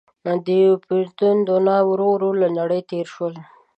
دیپروتودونان ورو ورو له نړۍ تېر شول.